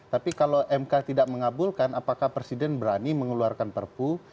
tapi kalau mk tidak mengabulkan apakah presiden berani mengeluarkan perpu